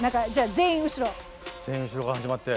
全員後ろから始まって。